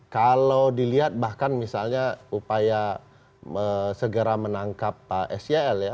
kalau dilihat bahkan misalnya upaya segera menangkap pak sel ya